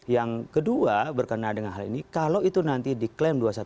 yang kedua berkenaan dengan hal ini kalau itu nanti diklaim dua ratus dua belas